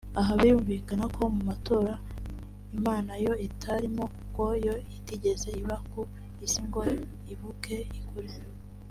Aha birumvikana ko mu matora Imana yo itarimo kuko yo itigeze iba ku isi ngo ivuke ikure